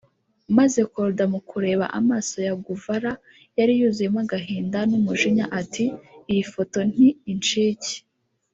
maze Korda mu kureba amaso ya Guevara yari yuzuyemo agahinda n’umujinya ati iyi foto nti incike